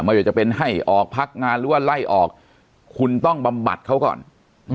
ไม่ว่าจะเป็นให้ออกพักงานหรือว่าไล่ออกคุณต้องบำบัดเขาก่อนอืม